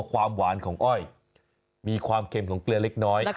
ความหวานของอ้อยมีความเค็มของเกลือเล็กน้อย